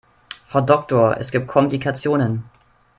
Frau Doktor, es gibt Komplikationen.